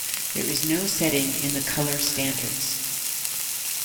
There is no setting in the colour standards.